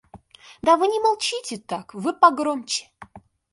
Да вы не молчите так, вы погромче!